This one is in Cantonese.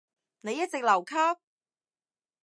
你一直留級？